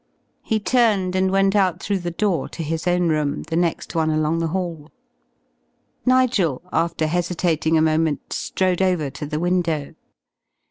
He turned and went out through the door to his own room, the next one along the hall. Nigel, after hesitating a moment, strode over to the window.